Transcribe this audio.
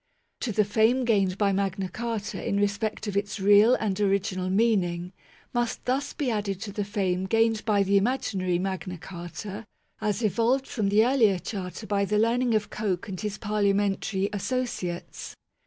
To the fame gained by Magna Carta in respect of its real and original meaning, must thus be added 20 MAGNA CARTA (1215 1915) the fame gained by the imaginary Magna Carta, as evolved from the earlier Charter by the learning of Coke and his parliamentary associates.